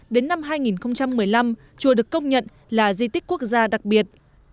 đến năm hai nghìn một mươi năm chùa được công nhận là di tích quốc gia đặc biệt